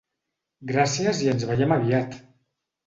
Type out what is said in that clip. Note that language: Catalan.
Gràcies i ens veiem aviat!